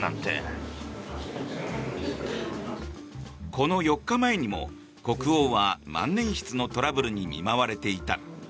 この４日前にも国王は万年筆のトラブルに見舞われていた。